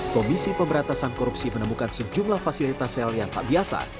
komisi pemberantasan korupsi menemukan sejumlah fasilitas sel yang tak biasa